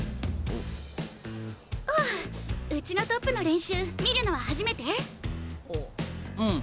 ああうちのトップの練習見るのは初めて？あうん。